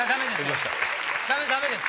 ダメです。